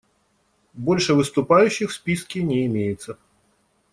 Больше выступающих в списке не имеется.